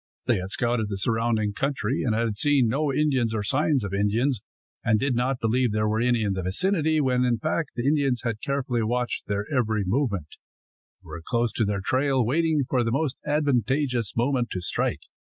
They had scouted the surrounding country and had seen no Indians or signs of Indians, and did not believe there were any in the vicinity, when in fact the Indians had carefully watched their every movement, and were close to their trail, waiting for the most advantageous moment to strike.